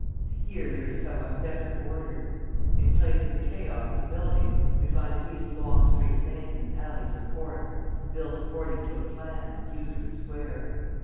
Here there is somewhat better order. In place of the chaos of buildings, we find at least long straight lanes and alleys or courts, built according to a plan and usually square.